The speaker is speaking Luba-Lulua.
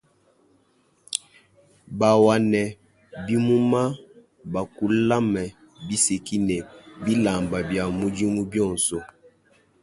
Bawane bimuma, bakulam biseki ne bilamba bia bidianu bionso.